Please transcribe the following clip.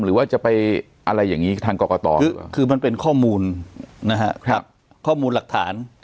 หรือว่าจะไปอะไรอย่างนี้ทางกรกตคือมันเป็นข้อมูลนะฮะข้อมูลหลักฐาน